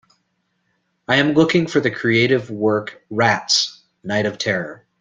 I am looking for the creative work Rats: Night of Terror